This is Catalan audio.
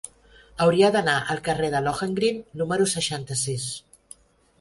Hauria d'anar al carrer de Lohengrin número seixanta-sis.